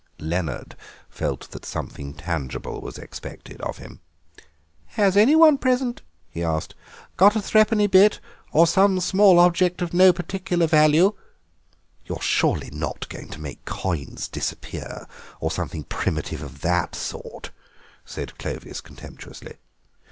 Leonard felt that something tangible was expected of him. "Has anyone present," he asked, "got a three penny bit or some small object of no particular value—?" "You're surely not going to make coins disappear, or something primitive of that sort?" said Clovis contemptuously.